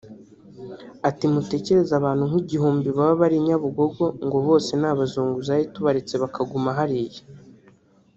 Ati “Mutekereze abantu nk’igihumbi baba bari i Nyabugogo ngo bose ni abazunguzayi tubaretse bakaguma hariya